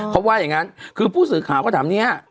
เขาว่าอย่างนั้นคือผู้สื่อข่าวก็ถามเนี่ย